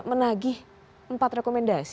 menagih empat rekomendasi